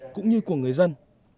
cũng như của người dân